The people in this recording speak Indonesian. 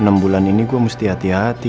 enam bulan ini gue mesti hati hati